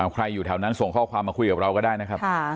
ใครอยู่แถวนั้นส่งข้อความมาคุยกับเราก็ได้นะครับ